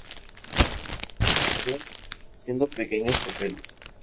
Comenzó haciendo pequeños papeles.